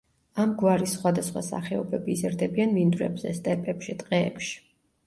ამ გვარის სხვადასხვა სახეობები იზრდებიან მინდვრებზე, სტეპებში, ტყეებში.